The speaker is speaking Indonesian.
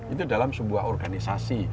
itu dalam sebuah organisasi